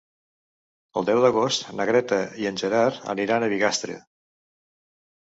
El deu d'agost na Greta i en Gerard aniran a Bigastre.